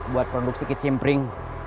buat produksi ke cimpring